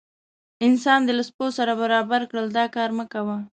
انسان دې له سپو سره برابر کړل دا کار مه کوه.